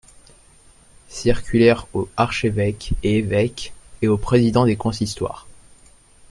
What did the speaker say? Circulaire aux archevêques et évêques, et aux présidens des consistoires.